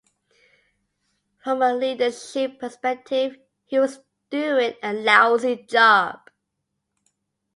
From a leadership perspective, he was doing a lousy job.